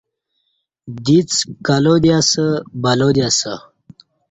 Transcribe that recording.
دِڅ کلا دی اسہ بلا دی اسہ